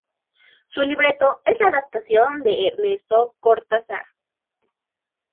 Su libreto es una adaptación de Ernesto Cortázar.